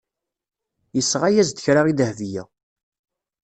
Yesɣa-as-d kra i Dahbiya.